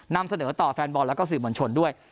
นำเสนอต่อแฟนบอลแล้วก็สื่อมวลชนด้วย